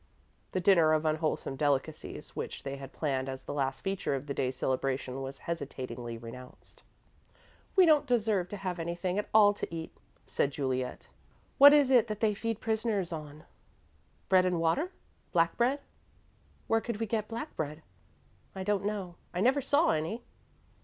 The dinner of unwholesome delicacies which they had planned as the last feature of the day's celebration was hesitatingly renounced. "We don't deserve to have anything at all to eat," said Juliet. "What is it that they feed prisoners on?" "Bread and water black bread?" "Where could we get black bread?" "I don't know. I never saw any."